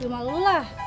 di rumah lu lah